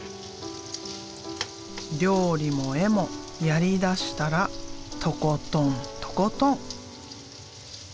料理も絵もやりだしたらとことんとことん。